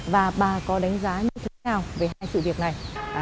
và bà có đánh giá như thế nào về hai sự việc này